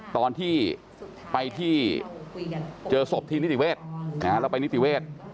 ตอนที่ไปที่เจอศพที่นิติเวศแล้วไปนิติเวศ